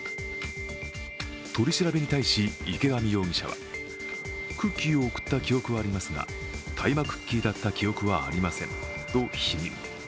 取り調べに対し池上容疑者はクッキーを送った記憶はありますが、大麻クッキーだった記憶はありませんと否認。